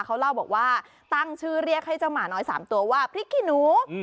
เขาเล่าบอกว่าตั้งชื่อเรียกให้เจ้าหมาน้อย๓ตัวว่าพริกขี้หนู